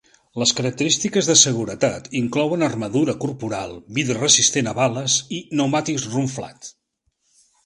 Les característiques de seguretat inclouen armadura corporal, vidre resistent a bales i pneumàtics run-flat.